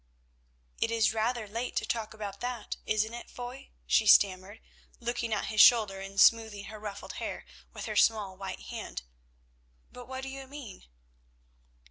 "It is rather late to talk about that, isn't it, Foy?" she stammered, looking at his shoulder and smoothing her ruffled hair with her small white hand. "But what do you mean?"